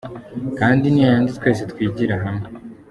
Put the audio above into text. kandi ni yayandi twese twigira hamwe.